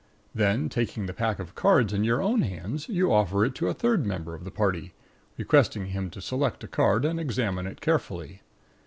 Then, taking the pack of cards in your own hands, you offer it to a third member of the party, requesting him to select a card and examine it carefully.